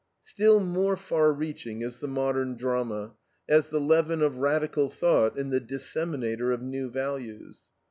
Still more far reaching is the modern drama, as the leaven of radical thought and the disseminator of new values.